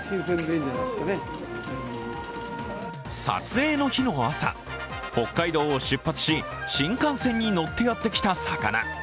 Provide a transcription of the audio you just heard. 撮影の日の朝、北海道を出発し、新幹線に乗ってやってきた魚。